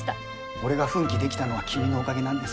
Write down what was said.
俺が奮起できたのは君のおかげなんですよ。